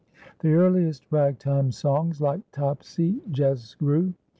The earliest Ragtime songs, like Topsy, "jes' grew."